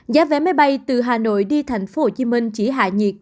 giá vé máy bay từ hà nội đi tp hcm chỉ hạ nhiệt